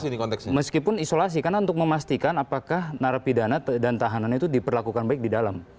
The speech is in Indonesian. dan meskipun isolasi karena untuk memastikan apakah narapidana dan tahanan itu diperlakukan baik di dalam